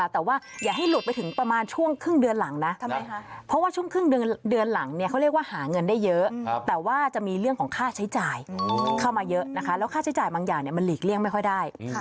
แต่ว่าอย่าให้หลุดไปถึงประมาณช่วงครึ่งเดือนหลังนะเพราะว่าช่วงครึ่งเดือนหลังเขาเรียกว่าหาเงินได้เยอะแต่ว่าจะมีเรื่องของค่าใช้จ่ายเข้ามาเยอะนะคะแล้วค่าใช้จ่ายบางอย่างมันหลีกเลี่ยงไม่ค่อยได้